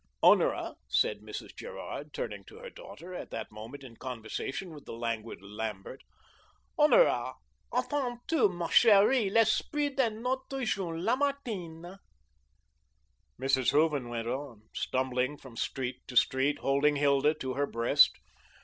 "Honora," said Mrs. Gerard, turning to her daughter, at that moment in conversation with the languid Lambert, "Honora, entends tu, ma cherie, l'esprit de notre jeune Lamartine." Mrs. Hooven went on, stumbling from street to street, holding Hilda to her breast.